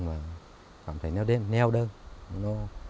nhưng mà cảm thấy neo đơn